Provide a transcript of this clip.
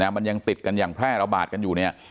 มันยังติดกันอย่างแพร่ระบาดกันอยู่เนี่ย